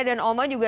dan oma juga